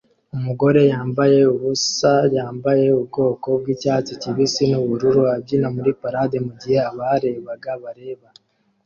Umugore yambaye ubusa yambaye ubwoko bwicyatsi kibisi nubururu abyina muri parade mugihe abarebaga bareba